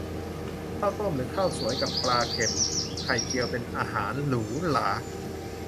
ข้าวต้ม หรือข้าวสวยกับปลาเค็ม ไข่เจียว เป็นอาหารหรูหรา